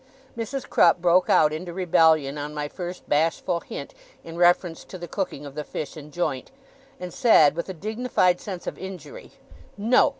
Mrs. Crupp broke out into rebellion on my first bashful hint in reference to the cooking of the fish and joint, and said, with a dignified sense of injury, 'No!